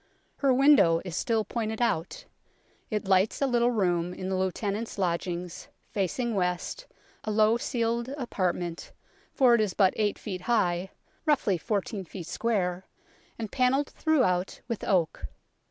Her window is still pointed out. It lights a little room in the Lieutenant's Lodgings, facing west, a low ceiled apartment, for it is but eight feet high, roughly fourteen feet square, and panelled throughout with oak.